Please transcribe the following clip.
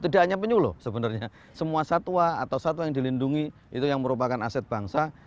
tidak hanya penyu loh sebenarnya semua satwa atau satwa yang dilindungi itu yang merupakan aset bangsa